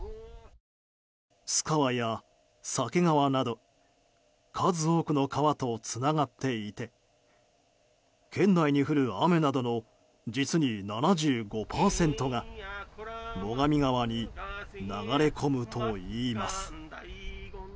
須川や鮭川など数多くの川とつながっていて県内に降る雨などの実に７５％が最上川に流れ込むといいます。